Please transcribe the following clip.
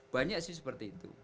banyak sih seperti itu